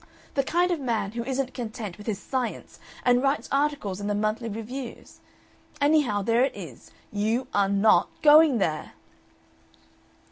The kind of man who isn't content with his science, and writes articles in the monthly reviews. Anyhow, there it is: YOU ARE NOT GOING THERE."